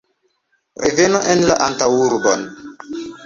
Reveno en la antaŭurbon.